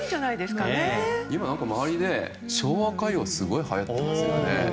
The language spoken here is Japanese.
今、周りで昭和歌謡がすごくはやってますよね。